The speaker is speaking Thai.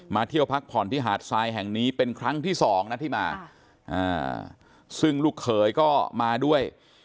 เที่ยวพักผ่อนที่หาดทรายแห่งนี้เป็นครั้งที่สองนะที่มาซึ่งลูกเขยก็มาด้วย